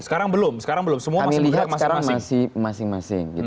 sekarang belum sekarang belum semua masih bergerak masing masing